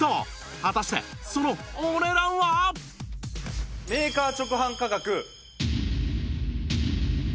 果たしてそのメーカー直販価格。